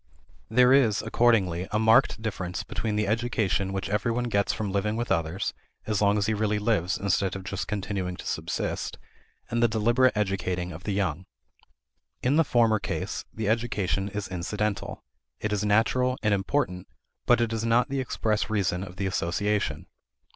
There is, accordingly, a marked difference between the education which every one gets from living with others, as long as he really lives instead of just continuing to subsist, and the deliberate educating of the young. In the former case the education is incidental; it is natural and important, but it is not the express reason of the association.